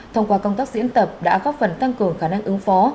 thông qua công tác diễn tập đã góp phần tăng cường khả năng ứng phó